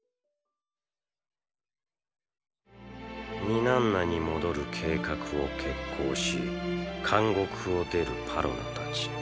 ニナンナに戻る計画を決行し監獄を出るパロナたち。